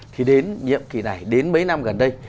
thì đến nhiệm kỳ này đến mấy năm gần đây